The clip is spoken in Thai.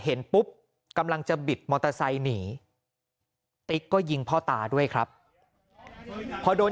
เห็นปุ๊บกำลังจะบิดมอเตอร์ไซค์หนีติ๊กก็ยิงพ่อตาด้วยครับพอโดน